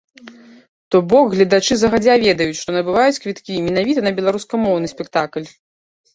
То бок гледачы загадзя ведаюць, што набываюць квіткі менавіта на беларускамоўны спектакль.